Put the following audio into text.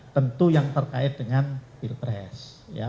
tentu yang terkait dengan pilpres